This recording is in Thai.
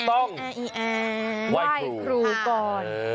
ต้องว่ายครูก่อน